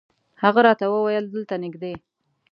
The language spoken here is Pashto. هغه راته وویل دلته نږدې.